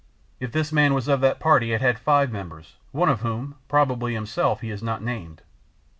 If this man was of that party it had five members, one of whom—probably himself—he has not named."